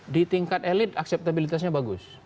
di tingkat elit akseptabilitasnya bagus